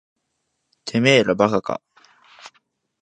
てめえら馬鹿か。